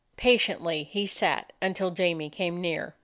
Pa tiently he sat until Jamie came near.